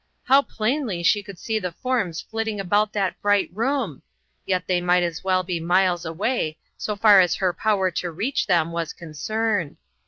How plainly she could see the forms flitting about that bright room ! yet they might as well be miles away, so far as her power to reach them was concerned.